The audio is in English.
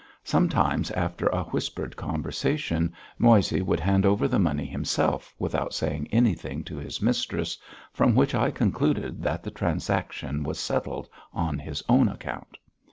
Sometimes after a whispered conversation Moissey would hand over the money himself without saying anything to his mistress, from which I concluded that the transaction was settled on his own account.